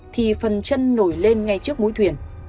thì phần chân nổi lên ngay trước mũi thuyền